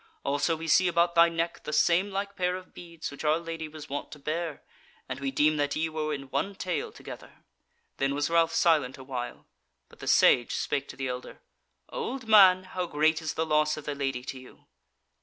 Also we see about thy neck the same like pair of beads which our Lady was wont to bear, and we deem that ye were in one tale together." Then was Ralph silent awhile, but the Sage spake to the elder: "Old man, how great is the loss of the Lady to you?"